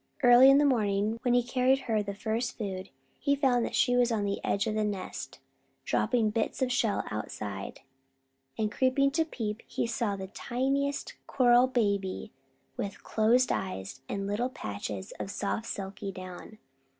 Early in the morning, when he carried her the first food, he found that she was on the edge of the nest, dropping bits of shell outside; and creeping to peep, he saw the tiniest coral baby, with closed eyes, and little patches of soft silky down.